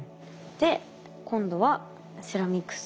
で今度はセラミックス。